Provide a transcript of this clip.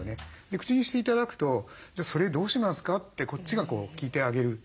口にして頂くと「じゃあそれどうしますか？」ってこっちが聞いてあげる。